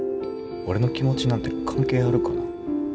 俺の気持ちなんて関係あるかな？